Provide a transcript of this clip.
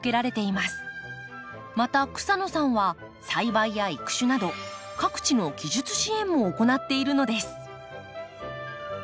また草野さんは栽培や育種など各地の技術支援も行っているのです。